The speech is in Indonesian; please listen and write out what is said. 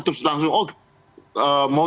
terus langsung oh mau